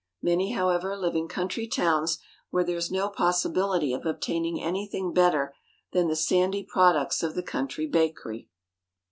Many, however, live in country towns, where there is no possibility of obtaining anything better than the sandy products of the country bakery.